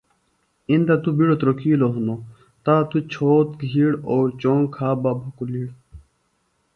اِندہ توۡ بِیڈوۡ تروۡکِیلوۡ ہنوۡ تا توۡ چھوت، گِھیڑ، اوۡ چونگ کھا بہ بھکُلِیڑ